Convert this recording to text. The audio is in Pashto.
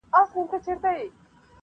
د هلمند څخه شرنګى د امېلونو-